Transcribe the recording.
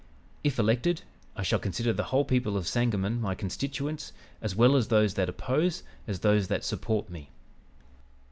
"If elected, I shall consider the whole people of Sangamon my constituents, as well those that oppose as those that support me.